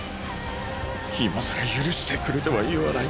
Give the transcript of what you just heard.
今さら許してくれとは言わない。